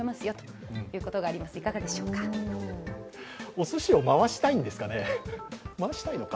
おすしを回したいんですかね、回したいのか。